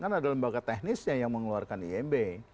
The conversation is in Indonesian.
kan ada lembaga teknisnya yang mengeluarkan imb